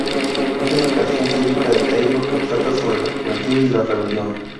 Es una canción típica de Taylor que trata sobre la juventud y la rebelión.